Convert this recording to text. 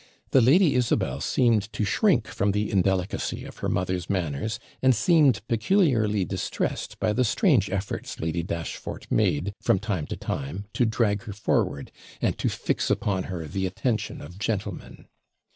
The Lady Isabel seemed to shrink from the indelicacy of her mother's manners, and seemed peculiarly distressed by the strange efforts Lady Dashfort made, from time to time, to drag her forward, and to fix upon her the attention of gentlemen.